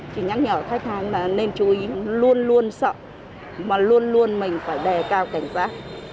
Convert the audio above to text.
chỉ nhắc nhở khách hàng là nên chú ý luôn luôn sợ mà luôn luôn mình phải đề cao cảnh giác